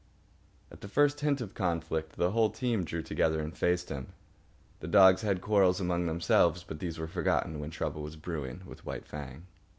At the first hint of conflict, the whole team drew together and faced him. The dogs had quarrels among themselves, but these were forgotten when trouble was brewing with White Fang.